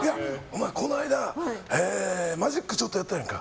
このあいだ、マジックちょっとやったやんか。